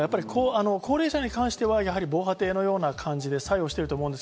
高齢者に関しては防波堤のような感じで、作用していると思います。